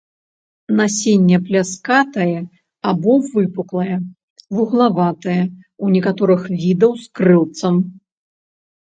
Насенне пляскатае або выпуклае, вуглаватае, у некаторых відаў з крылцам.